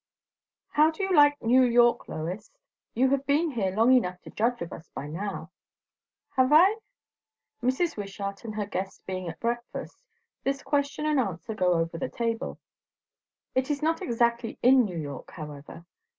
"How do you like New York, Lois? You have been here long enough to judge of us now?" "Have I?" Mrs. Wishart and her guest being at breakfast, this question and answer go over the table. It is not exactly in New York, however.